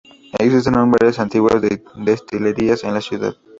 Existen aún varias antiguas destilerías en la ciudad.